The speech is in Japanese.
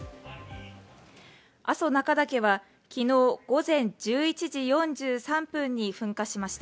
阿蘇中岳は昨日午前１１時４３分に噴火しました。